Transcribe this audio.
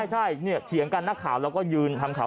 ใช่เนี่ยเถียงกันนักข่าวแล้วก็ยืนทำข่าว